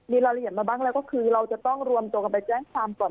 มีรายละเอียดมาบ้างแล้วก็คือเราจะต้องรวมตัวกันไปแจ้งความก่อน